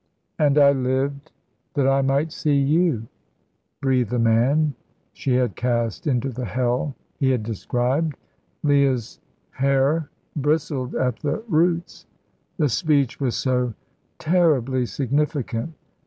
"And I lived that I might see you," breathed the man she had cast into the hell he had described. Leah's hair bristled at the roots. The speech was so terribly significant.